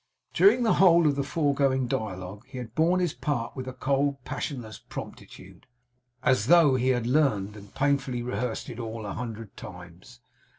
During the whole of the foregoing dialogue, he had borne his part with a cold, passionless promptitude, as though he had learned and painfully rehearsed it all a hundred times.